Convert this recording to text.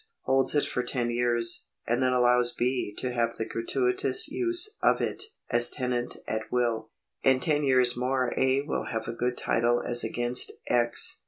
holds it for ton years, and then allows B. to have the gratuitous use of it as tenant at will. In ten years more A. will have a good title as against X.